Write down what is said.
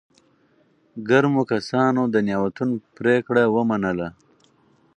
ګرمو کسانو د نياوتون پرېکړه ومنله.